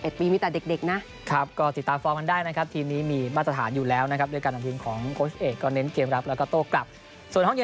ทีมจากดีวิชั่นหนึ่งอายุสิบเก้าปี